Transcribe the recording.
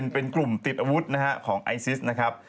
เป็นกลุ่มติดอาวุธนะฮะของไอซิสนะครับ